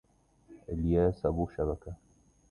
إلياس أبو شبكة